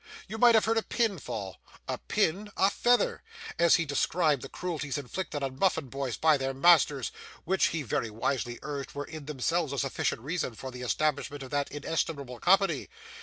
You might have heard a pin fall a pin! a feather as he described the cruelties inflicted on muffin boys by their masters, which he very wisely urged were in themselves a sufficient reason for the establishment of that inestimable company.